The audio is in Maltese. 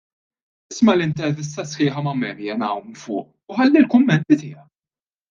Isma' l-intervista sħiħa ma' Maryanne hawn fuq u ħalli l-kummenti tiegħek.